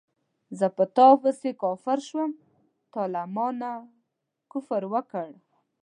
زه تا پسې کافر شوم تا له مانه کفر وکړ